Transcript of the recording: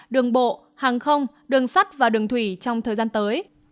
đường bộ hàng không đường sắt và đường thủy trong thời gian tới